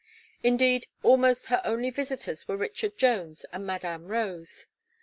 Indeed, almost her only visitors were Richard Jones and Madame Rose.